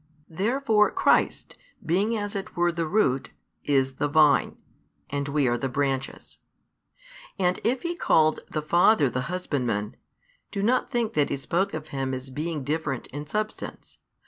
Therefore Christ, being as it were the root, is the Vine, and we are the branches. And if He called the Father the Husbandman, do not think that He spoke of Him as being different in substance.